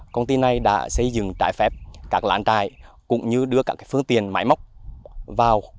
công ty này đã xây dựng trái phép các lãn trại cũng như đưa các phương tiền máy móc vào